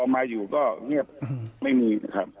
มาอยู่ก็เงียบไม่มี